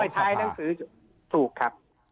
ใช้ช่องทางของสภา